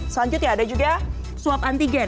selanjutnya ada juga swab antigen